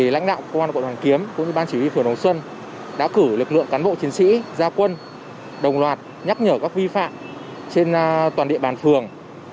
lãnh đạo công an quận hoàn kiếm cũng như ban chỉ huy phường đồng xuân đã cử lực lượng cán bộ chiến sĩ gia quân đồng loạt nhắc nhở các vi phạm trên toàn địa bàn phường